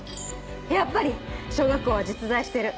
やっぱり！小学校は実在してる。